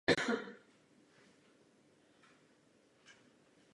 Nahradil ho Josef Kasper.